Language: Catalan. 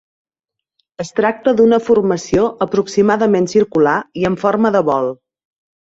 Es tracta d'una formació aproximadament circular i amb forma de bol.